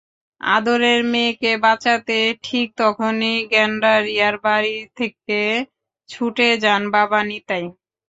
আদরের মেয়েকে বাঁচাতে ঠিক তখনই গেন্ডারিয়ার বাড়ি থেকে ছুটে যান বাবা নিতাই।